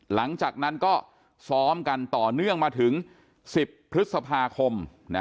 หลังจากนั้นก็ซ้อมกันต่อเนื่องมาถึง๑๐พฤษภาคม